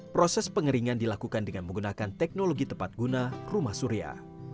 proses pengeringan dilakukan dengan menggunakan teknologi tepat guna rumah surya